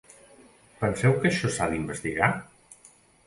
Penseu que això s’ha d’investigar?